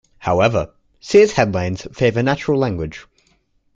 However, Sears' headings favor natural language.